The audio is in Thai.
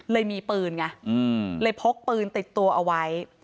มีปืนไงเลยพกปืนติดตัวเอาไว้